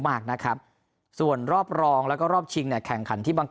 มากนะครับส่วนรอบรองแล้วก็รอบชิงเนี่ยแข่งขันที่บาง